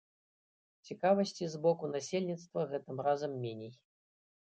Цікавасці з боку насельніцтва гэтым разам меней.